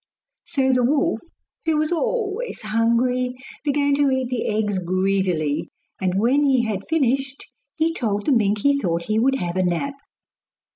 So the wolf, who was always hungry, began to eat the eggs greedily; and when he had finished he told the mink he thought he would have a nap.